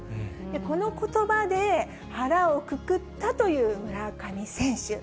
このことばで、腹をくくったという村上選手。